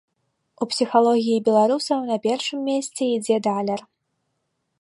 У псіхалогіі беларусаў на першым месцы ідзе даляр.